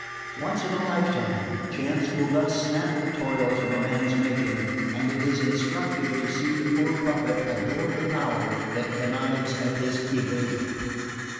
Once in a lifetime, chance will thus snap the toils of a man's making; and it is instructive to see the poor puppet adore the power that connives at his evasion...